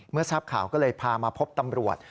ทราบข่าวก็เลยพามาพบตำรวจ